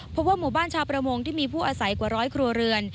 เพราะว่าหมู่บ้านชาวประมงที่มีผู้อาศัยกว่าร้อยครัวเรือน